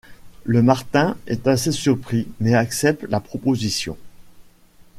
Le Martin est assez surpris mais accepte la proposition.